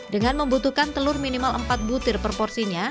dengan membutuhkan telur minimal empat butir per porsinya